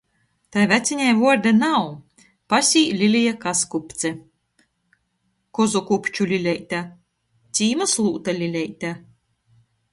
Tai vecinei vuorda nav. Pasē Lilija Kazkupce. Kozukupču Lileite. Cīma slūta Lileite.